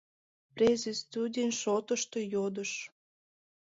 Презе студень шотышто йодыш